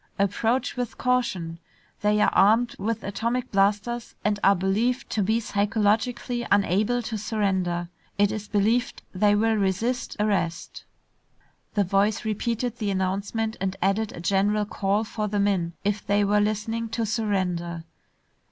Approach with caution, they are armed with atomic blasters and are believed to be psychologically unable to surrender. It is believed they will resist arrest...." The voice repeated the announcement and added a general call for the men, if they were listening, to surrender.